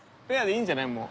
ペアでいいんじゃない？